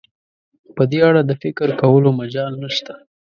په دې اړه د فکر کولو مجال نشته.